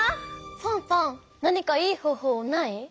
ファンファン何かいいほうほうない？